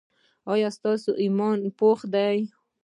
ایا ستاسو ایمان پاخه دی؟